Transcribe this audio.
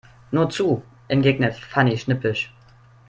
Nur zu, entgegnet Fanny schnippisch.